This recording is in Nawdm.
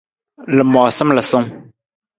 Lamoosam lasung.